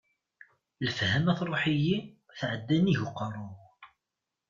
Lefhama truḥ-iyi, tɛedda nnig uqerru-w.